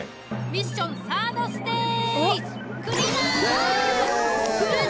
ミッションサードステージやった！